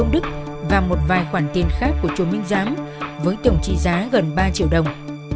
công đức và một vài khoản tiền khác của chúa minh dám với tổng trị giá gần ba triệu đồng